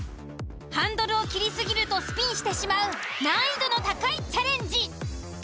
ハンドルを切り過ぎるとスピンしてしまう難易度の高いチャレンジ。